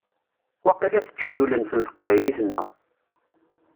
Waqila tečča-d ul-nsen teqbaylit-nneɣ.